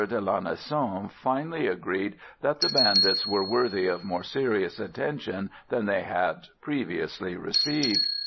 de Lanessan finally agreed that the bandits were worthy of more serious attention than they had previously received.